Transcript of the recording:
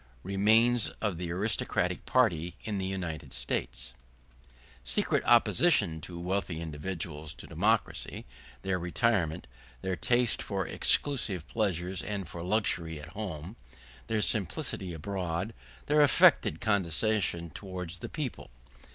Remains Of The Aristocratic Party In The United States Secret opposition of wealthy individuals to democracy—Their retirement—Their taste for exclusive pleasures and for luxury at home—Their simplicity abroad—Their affected condescension towards the people.